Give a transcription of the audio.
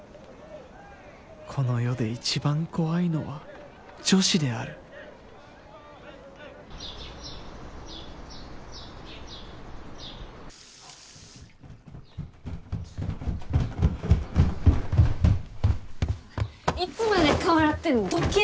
この世で一番怖いのは女子であるいつまで顔洗ってんのどけよ！